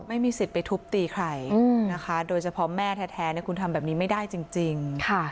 ไม่มีสิทธิ์ไปทุบตีใครนะคะโดยเฉพาะแม่แท้คุณทำแบบนี้ไม่ได้จริง